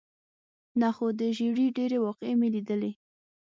نه، خو د ژېړي ډېرې واقعې مې لیدلې.